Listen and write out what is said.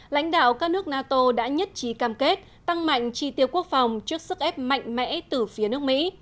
lãnh đạo các nước nato đã nhất trí cam kết tăng mạnh tri tiêu quốc phòng trước sức ép mạnh mẽ từ phía nước mỹ